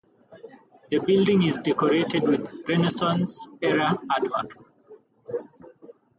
The building is decorated with Renaissance-era artwork.